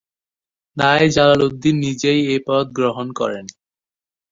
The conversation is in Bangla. তাই জালালউদ্দিন নিজেই এই পদ গ্রহণ করেন।